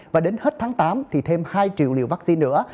và đến hết tháng tám thì thêm hai triệu liều vaccine nữa